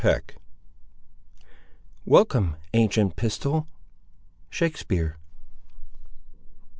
CHAPTER XX Welcome, ancient Pistol. —Shakespeare.